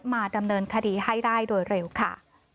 มาดำเนินคดีให้ได้โดยเร็วค่ะ